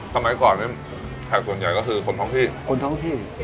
สมัยก่อนนี้แขกส่วนใหญ่ก็คือคนท้องที่คนท้องที่